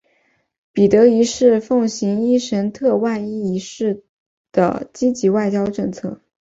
彼得一世奉行伊什特万一世的积极外交政策。